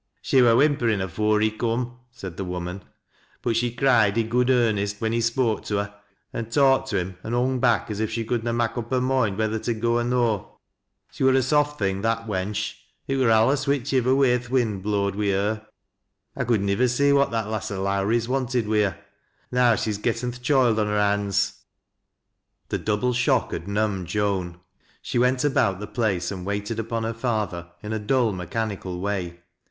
" She wur whimperin' afore he coom," said the woman, " but she cried i' good earnest when he spoke to her, an' talked to him an' hung back as if she could na mak' up her moind whether to go or no. She wur a soft thing, that wench, it wur alius whichivver way th' wind blowed wi' her. T could nivver see what that lass o' Lowrie's wanted wi' her. Now she's getten th' choild on her bonds." The double shock had numbed Joan. She went about the place and waited upon her father in a dull, mechani cal way.